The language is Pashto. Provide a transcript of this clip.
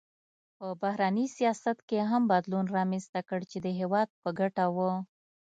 په بهرني سیاست کې هم بدلون رامنځته کړ چې د هېواد په ګټه و.